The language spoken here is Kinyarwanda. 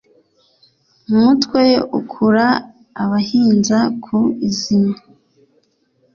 Umutwe ukura abahinza ku izima.